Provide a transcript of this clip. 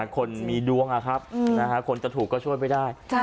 คนมีดวงคนจะถูกก็ช่วยไม่ได้